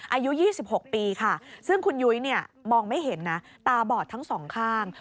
อายุ๒๖ปีค่ะซึ่งคุณยุ้ยเนี่ยมองไม่เห็นนะตาบอดทั้งสองข้าง